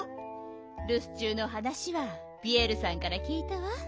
るす中のはなしはピエールさんからきいたわ。